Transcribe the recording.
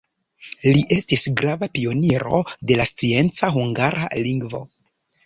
Li estis grava pioniro de la scienca hungara lingvo.